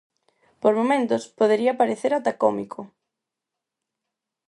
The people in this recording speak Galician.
Por momentos, podería parecer até cómico.